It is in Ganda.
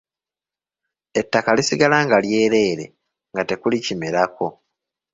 Ettaka lisigala nga lyereere nga tekuli kimerako.